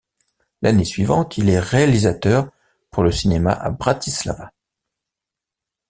L'année suivante, il est réalisateur pour le cinéma à Bratislava.